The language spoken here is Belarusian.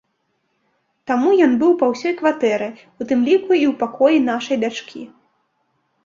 Таму ён быў па ўсёй кватэры, у тым ліку і ў пакоі нашай дачкі.